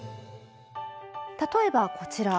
例えばこちら。